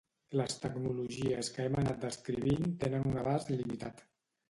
Les tecnologies que hem anat descrivint tenen un abast limitat.